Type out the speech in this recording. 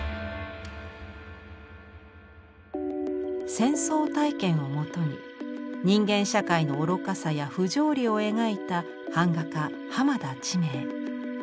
戦争体験をもとに人間社会の愚かさや不条理を描いた版画家浜田知明。